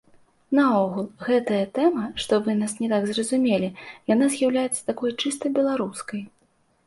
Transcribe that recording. Наогул гэтая тэма, што вы нас не так зразумелі, яна з'яўляецца такой чыста беларускай.